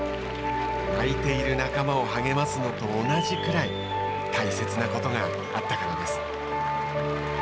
泣いている仲間を励ますのと同じくらい大切な事があったからです。